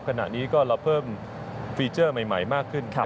ขณะนี้ก็เราเพิ่มฟีเจอร์ใหม่มากขึ้น